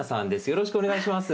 よろしくお願いします。